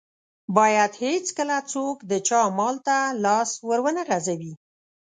بايد هيڅکله څوک د چا مال ته لاس ور و نه غزوي.